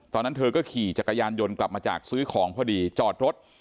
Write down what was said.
ตอนนั้นเธอก็ขี่จักรยานยนต์กลับมาจากซื้อของพอดีจอดรถ